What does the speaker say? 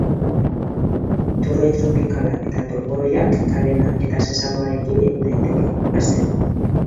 Turroi tropikala eta polboroiak kanela eta sesamoarekin egin daiteke, hasteko.